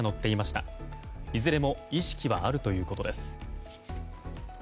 いずれも意識はあるということです。